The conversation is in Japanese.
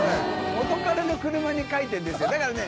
元カレの車に書いてんですよだからね